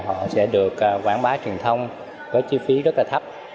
họ sẽ được quảng bá truyền thông với chi phí rất là thấp